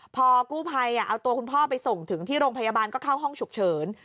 พอกู้ภัยเอาตัวคุณพ่อไปส่งถึงที่โรงพยาบาลก็เข้าห้องฉุกเฉิน